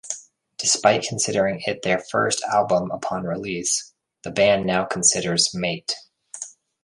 Despite considering it their first album upon release, the band now considers Mate.